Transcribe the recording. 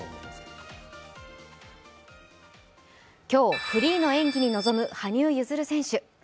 今日、フリーの演技に臨む羽生結弦選手。